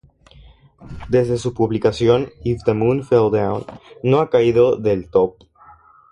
Desde su publicación, "If The Moon Fell Down" no ha caído del top.